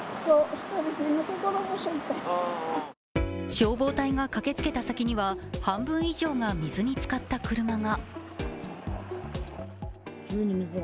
消防隊が駆けつけた先には半分以上水につかった車が。